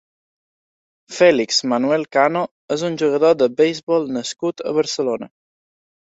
Félix Manuel Cano és un jugador de beisbol nascut a Barcelona.